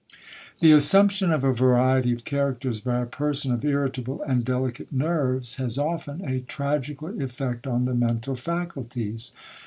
The assumption of a variety of characters by a person of irritable and delicate nerves, has often a tragical effect on the mental faculties.